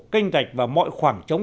kênh rạch và mọi khoảng trống